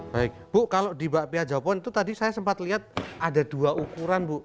baik bu kalau di bakpia japon itu tadi saya sempat lihat ada dua ukuran bu